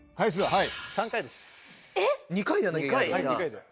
はい。